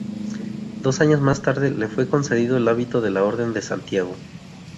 Dos años más tarde le fue concedido el hábito de la Orden de Santiago.